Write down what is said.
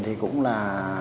thì cũng là